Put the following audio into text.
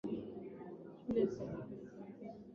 Kwa siri kusaidia harakati za kuondoa utawala uliokuwa